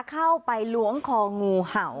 เข้าไปล้วงคองูเห่า